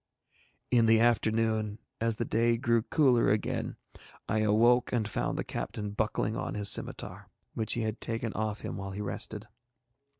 In the afternoon, as the day grew cooler again, I awoke and found the captain buckling on his scimitar, which he had taken off him while he rested.